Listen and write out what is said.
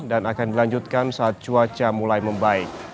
dan akan dilanjutkan saat cuaca mulai membaik